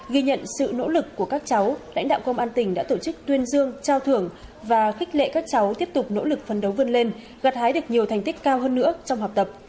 ghi nhận sự nỗ lực của các cháu lãnh đạo công an tỉnh đã tổ chức tuyên dương trao thưởng và khích lệ các cháu tiếp tục nỗ lực phấn đấu vươn lên gặt hái được nhiều thành tích cao hơn nữa trong học tập